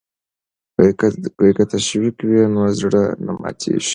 که تشویق وي نو زړه نه ماتیږي.